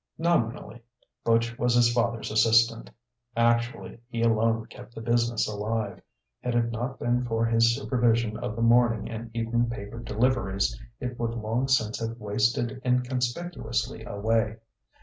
Nominally, Butch was his father's assistant; actually, he alone kept the business alive; had it not been for his supervision of the morning and evening paper deliveries, it would long since have wasted inconspicuously away.